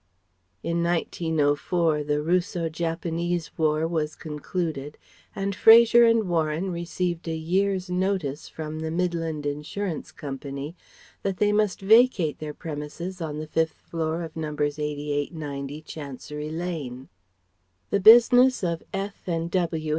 In 1904, the Russo Japanese War was concluded, and Fraser and Warren received a year's notice from the Midland Insurance Co. that they must vacate their premises on the fifth floor of Nos. 88 90 Chancery Lane. The business of _F. and W.